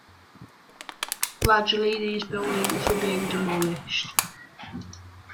Gradually these buildings were being demolished.